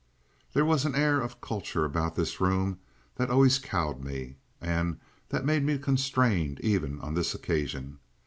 There was an air of culture about his room that always cowed me, and that made me constrained even on this occasion.